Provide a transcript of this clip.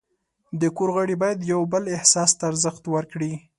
د کور غړي باید د یو بل احساس ته ارزښت ورکړي.